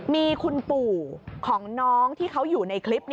มีคุณปู่ของน้องที่เขาอยู่ในคลิป